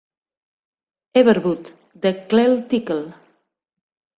Everwood de "Clell Tickle".